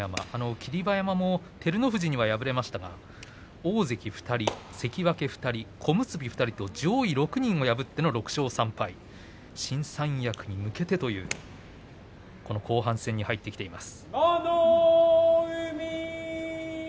霧馬山も照ノ富士には敗れましたが大関２人、関脇２人小結２人と上位６人を破っての６勝３敗で、新三役に向けてという後半戦に入ってきています。